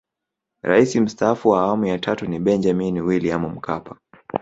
Rais Mstaafu wa Awamu ya Tatu ni Benjamini William Mkapa